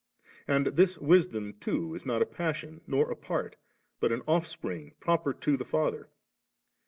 And this Wisdom too is not a passion, nor a part, but an Offspring proper to the Father.